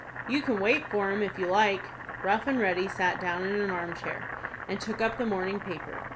"You can wait for him, if you like." Rough and Ready sat down in an arm chair, and took up the morning paper.